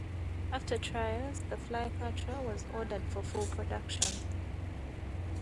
After trials, the Flycatcher was ordered for full production.